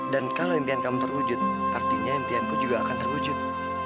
dan kalau impian kamu terwujud artinya impian ku juga akan terwujud